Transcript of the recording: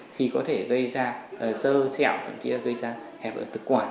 thì có thể gây ra sơ xẹo thậm chí là gây ra hẹp ở thực quả